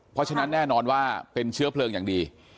เพราะฉะนั้นแน่นอนว่าเป็นเชื้อเพลิงอย่างดี